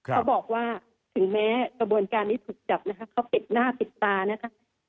เขาบอกว่าถึงแม้กระบวนการนี้ถูกจับนะคะเขาปิดหน้าปิดตานะคะ